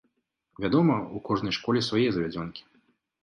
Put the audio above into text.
Вядома, у кожнай школе свае завядзёнкі.